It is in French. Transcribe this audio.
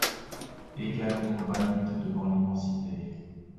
Égalent ton granit devant l’immensité.